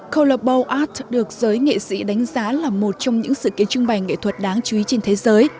coral bowl arts được giới nghệ sĩ đánh giá là một trong những sự kiến trung bày nghệ thuật đáng chú ý trên thế giới